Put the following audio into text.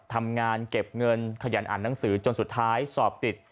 ทำงานเก็บเงินขยันอ่านหนังสือจนสุดท้ายสอบติด